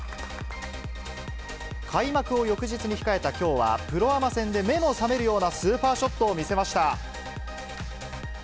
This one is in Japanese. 開幕を翌日に控えたきょうは、プロアマ戦で目の覚めるようなスーパーショットを見せました。